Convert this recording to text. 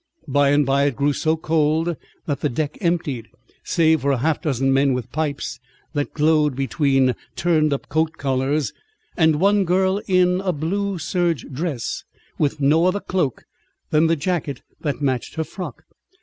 By and by it grew so cold that the deck emptied, save for half a dozen men with pipes that glowed between turned up coat collars, and one girl in a blue serge dress, with no other cloak than the jacket that matched her frock.